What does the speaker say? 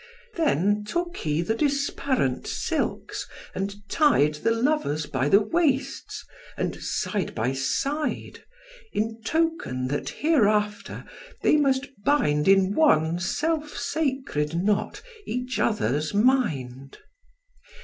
Then took he the disparent silks, and tied The lovers by the waists, and side by side, In token that hereafter they must bind In one self sacred knot each other's mind.